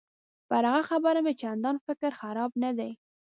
پر هغه خبره مې چندان فکر خراب نه دی.